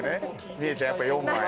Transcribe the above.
みえちゃんやっぱ４番や。